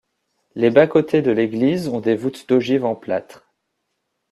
Les bas-côtés de l'église ont des voûtes d'ogive en plâtre.